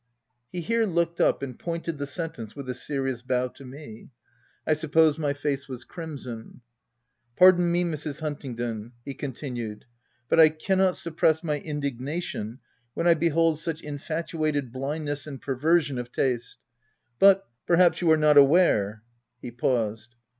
He here looked up and pointed the sen tence with a serious bow to me. I suppose my face was crimson. u Pardon me, Mrs. Huntingdon/' he con tinued, " but I cannot suppress my indignation when I behold such infatuated blindness and perversion of taste ;— but, perhaps you are not aw r are —" He paused.